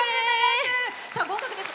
合格です。